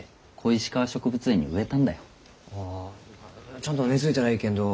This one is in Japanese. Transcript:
ちゃんと根づいたらえいけんど。